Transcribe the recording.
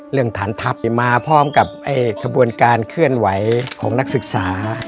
เรื่องฐานทัพมาพร้อมกับการเคลื่อนไหวของนักศึกษา